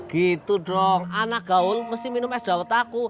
gitu dong anak gaul mesti minum es dawet aku